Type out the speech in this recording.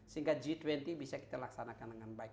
sehingga g dua puluh bisa kita laksanakan dengan baik